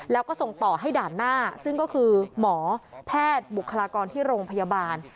แล้วก็ส่งต่อให้ด่านหน้าซึ่งก็คือหมอแพทย์บุคลากรที่โรงพยาบาล